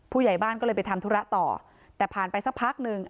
ผู้ใหญ่บ้านก็เลยไปทำธุระต่อแต่ผ่านไปสักพักหนึ่ง